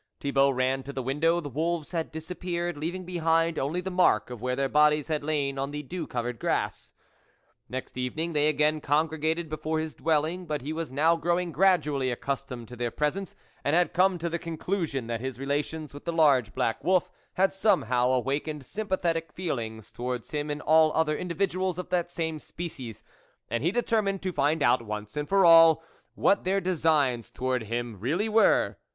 Thibault ran to the window, the wolves had disappeared, leaving behind only the mark of where their bodies had lain on the dew covered grass. Next evening they again congregated before his dwelling ; but he was now growing gradually accustomed to their presence, and had come to the conclusion that his relations with the large black wolf had somehow awakened sympathetic feel ings towards him in all other individuals of the same species, and he determined to find out, once for all, what their designs to wards him really were.